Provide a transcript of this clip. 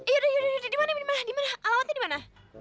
iyaudah iyaudah dimana dimana dimana alamatnya dimana